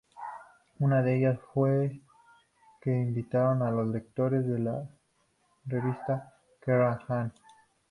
Una de ellas fue que invitaron a los lectores de la revista "Kerrang!